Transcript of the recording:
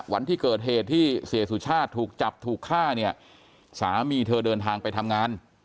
วันที่เกิดเหตุที่เสียสุชาติถูกจับถูกฆ่าเนี่ยสามีเธอเดินทางไปทำงาน